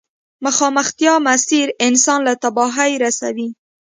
مخامختيا مسير انسان له تباهي رسوي.